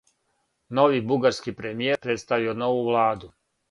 Нови бугарски премијер представио нову владу